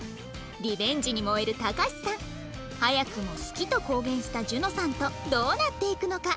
リベンジに燃えるたかしさん早くも好きと公言した樹乃さんとどうなっていくのか？